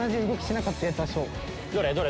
どれ？